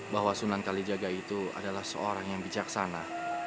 bahwa sunan kalijaga itu adalah seorang yang bijaksana